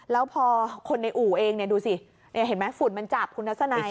แล้วพอคนในอู่เองดูสิเห็นไหมฝุ่นมันจับคุณทัศนัย